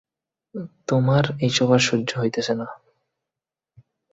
তোমার এইসব আর সহ্য হইতাসে না।